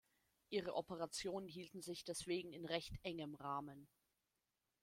Ihre Operationen hielten sich deswegen in recht engem Rahmen.